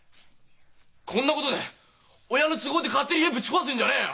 こんなことで親の都合で勝手に家ぶち壊すんじゃねえよ！